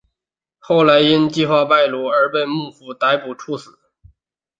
后来因为计划败露而被幕府逮捕处死。